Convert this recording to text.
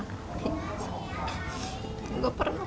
di cd nya pernah marah